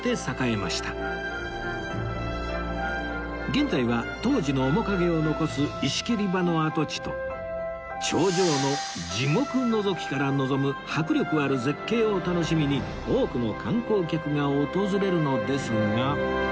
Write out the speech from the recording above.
現在は当時の面影を残す石切場の跡地と頂上の「地獄のぞき」から望む迫力ある絶景を楽しみに多くの観光客が訪れるのですが